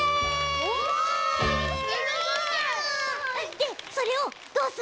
でそれをどうすんの？